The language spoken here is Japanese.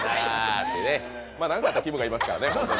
まあ、なんかあったらきむがいますからね。